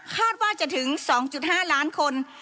คาดว่าจะถึง๒๕ล้านคน